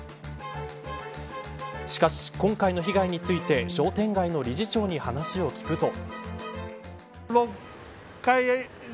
しかし、今回の被害について商店街の理事長に話を聞くと。